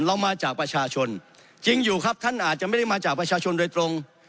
เรามาจากประชาชนจริงอยู่ครับท่านอาจจะไม่ได้มาจากประชาชนโดยตรง